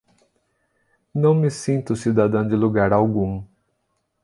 Não me sinto cidadã de lugar algum.